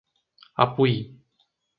Apuí